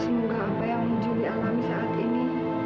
semoga apa yang juli alami saat ini